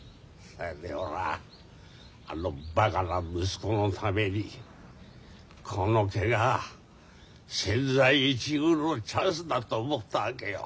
それで俺はあのバカな息子のためにこのケガ千載一遇のチャンスだと思ったわけよ。